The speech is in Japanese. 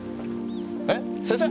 えっ先生！？